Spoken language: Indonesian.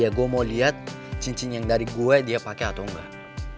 iya gue mau liat cincin yang dari gue dia pake atau nggak